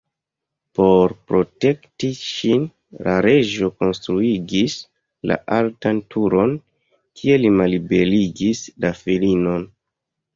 Por protekti ŝin, la reĝo konstruigis la altan turon kie li malliberigis la filinon.